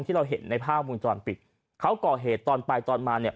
ที่เราเห็นในภาพวงจรปิดเขาก่อเหตุตอนไปตอนมาเนี่ย